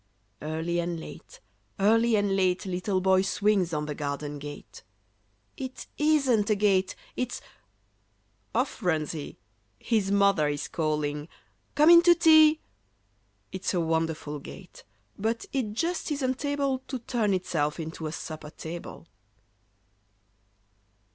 Early and late, early and late, Little Boy swings on the garden gate. "It isn't a gate; it's—" off runs he, His mother is calling, "Come in to tea!" It's a wonderful gate, but it just isn't able To turn itself into a supper table.